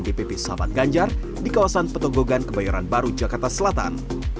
dpp sahabat ganjar di kawasan petogogan kebayoran baru jakarta selatan